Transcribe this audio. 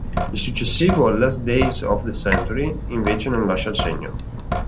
Il successivo "Last Days of the Century" invece non lascia il segno.